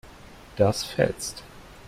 Das fetzt.